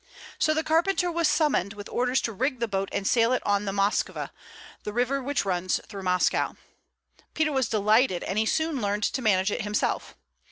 So the carpenter was summoned, with orders to rig the boat and sail it on the Moskva, the river which runs through Moscow. Peter was delighted; and he soon learned to manage it himself.